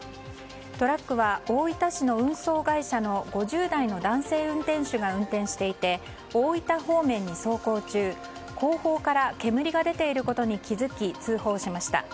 トラックは大分市の運送会社の５０代の男性運転手が運転していて、大分方面に走行中後方から煙が出ていることに気づき、通報しました。